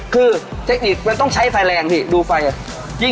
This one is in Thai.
คือเทคนิคมันต้องใช้ไฟแรงพี่ดูไฟอ่ะ